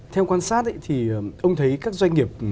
theo quan sát thì ông thấy các doanh nghiệp